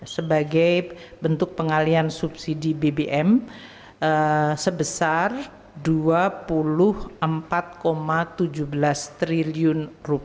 sebagai bentuk pengalian subsidi bbm sebesar rp dua puluh empat tujuh belas triliun